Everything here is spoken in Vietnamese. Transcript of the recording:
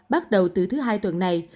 bắt đầu từ thứ hai tuần này